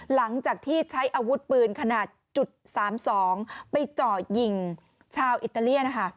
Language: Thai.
หลังจากที่ใช้อาวุธปืนขนาด๓๒ไปเจาะยิงชาวอิตาเลียนนะคะ